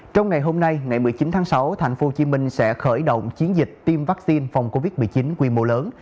trong ngày hôm nay ngày một mươi chín tháng sáu tp hcm sẽ khởi động chiến dịch tiêm vaccine phòng covid một mươi chín quy mô lớn